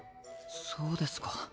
そうですか。